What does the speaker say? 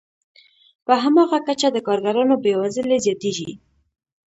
په هماغه کچه د کارګرانو بې وزلي زیاتېږي